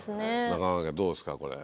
中川家どうですかこれ。